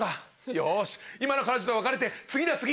よし今の彼女と別れて次だ次！